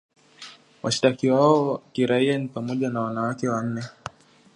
Washtakiwa hao wa kiraia ni pamoja na wanawake wanNe